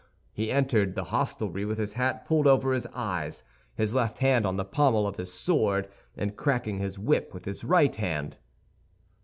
He entered the hostelry with his hat pulled over his eyes, his left hand on the pommel of the sword, and cracking his whip with his right hand.